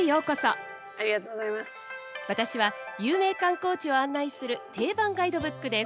私は有名観光地を案内する定番ガイドブックです。